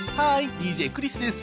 ＤＪクリスです。